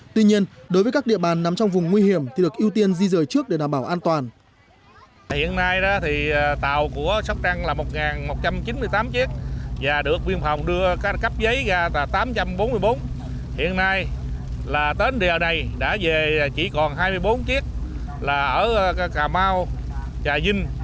tuy nhiên đối với các địa bàn nằm trong vùng nguy hiểm thì được ưu tiên di rời trước để đảm bảo an toàn